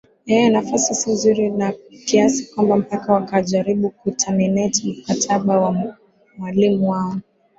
ee nafasi si nzuri na kiasi kwamba mpaka wakajaribu kuterminate mkataba wa mwalimu wao